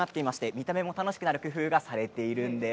見た目も楽しくなる工夫がされているんです。